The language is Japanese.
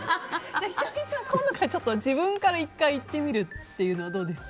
仁美さん、今度から自分から１回いってみるというのはどうですか。